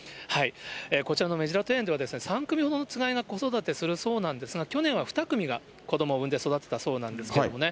こちらの目白庭園では、３組ほどのつがいが子育てするそうなんですが、去年は２組が子どもを産んで育てたそうなんですけどね。